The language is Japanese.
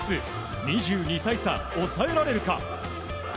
２２歳差、抑えられるか。